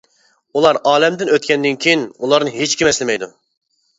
ئۇلار ئالەمدىن ئۆتكەندىن كېيىن ئۇلارنى ھېچكىم ئەسلىمەيدۇ.